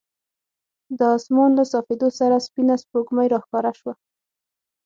د اسمان له صافېدو سره سپینه سپوږمۍ راښکاره شوه.